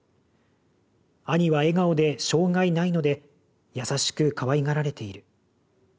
兄は笑顔で障害ないので優しくかわいがられている。